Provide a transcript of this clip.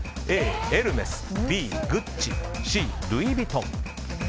Ａ、エルメスＢ、グッチＣ、ルイ・ヴィトン。